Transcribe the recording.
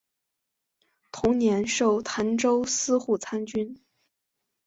同年授澶州司户参军。